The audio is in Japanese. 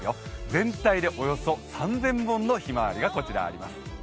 全体で、およそ３０００本のひまわりが、こちらあります。